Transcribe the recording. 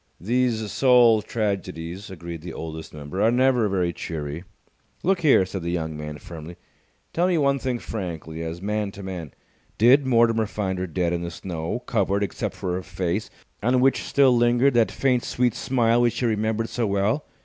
"These soul tragedies," agreed the Oldest Member, "are never very cheery." "Look here," said the young man, firmly, "tell me one thing frankly, as man to man. Did Mortimer find her dead in the snow, covered except for her face, on which still lingered that faint, sweet smile which he remembered so well?